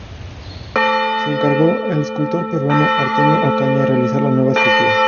Se encargó al escultor peruano Artemio Ocaña realizar la nueva escultura.